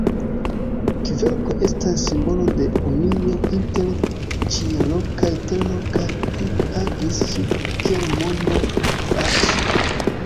Kverkoj estas simbolo de unio inter ĉielo kaj tero kaj agis kiel mondo-akso.